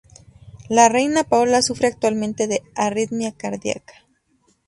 La reina Paola sufre actualmente de arritmia cardíaca.